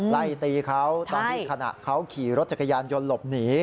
ไล่ตีเขาตอนที่ขณะเขาขี่รถจักรยานยนต์หลบหนี